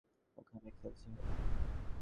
ওখানে খেলছে হয়তো।